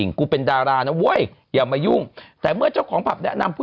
นี่นี่นี่นี่นี่นี่นี่นี่นี่นี่นี่